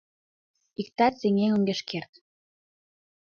Иктат сеҥен огеш керт...